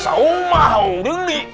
seh ma haudun ni